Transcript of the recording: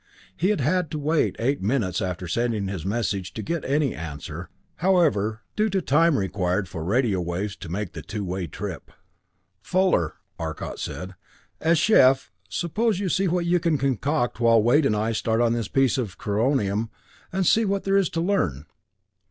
He had had to wait eight minutes after sending his message to get any answer, however, due to time required for radio waves to make the two way trip. "Fuller," Arcot said, "as chef, suppose you see what you can concoct while Wade and I start on this piece of coronium and see what there is to learn."